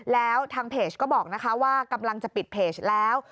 แล้วทางเพจก็บอกนะคะว่ากำลังจะปิดเพจแล้ว